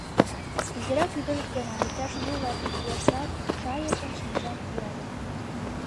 Изирак ӱдырышт гына, иктаж лу-латик ияшрак, шайыкын шинчам пӱяле.